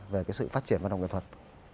về cái sự phát triển văn hóa nghệ thuật